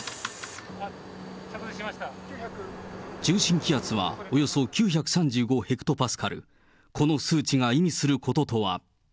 中心気圧はおよそ９３４ヘクトパスカル、この数値が意味することとは。